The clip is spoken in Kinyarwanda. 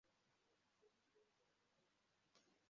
Umusore muto wambaye ubwoya bwubururu agenda munzira igana ikiraro